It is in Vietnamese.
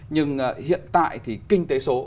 nhưng hiện tại thì kinh tế số